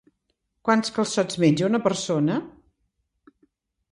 Quants calçots menja una persona?